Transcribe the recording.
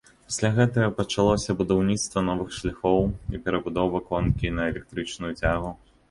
Пасля гэтага пачалося будаўніцтва новых шляхоў і перабудова конкі на электрычную цягу.